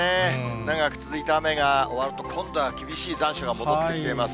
長く続いた雨が終わると、今度は厳しい残暑が戻ってきています。